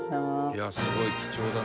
「いやすごい貴重だね」